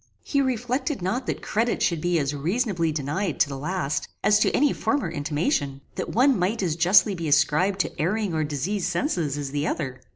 He reflected not that credit should be as reasonably denied to the last, as to any former intimation; that one might as justly be ascribed to erring or diseased senses as the other.